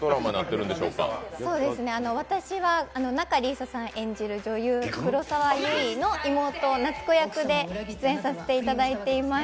私は仲里依紗さん演じる女優黒澤ゆいの妹、夏子役で出演させていただいています。